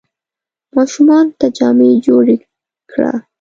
ماشومانو ته جامې جوړي کړه !